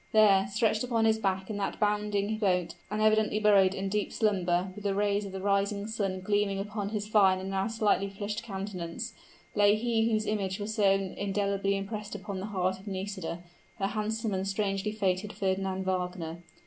There, stretched upon his back in that bounding boat, and evidently buried in deep slumber, with the rays of the rising sun gleaming upon his fine and now slightly flushed countenance, lay he whose image was so indelibly impressed upon the heart of Nisida her handsome and strangely fated Fernand Wagner!